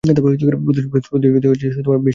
প্রতিযোগিতার বিষ্ময়কর মোড়!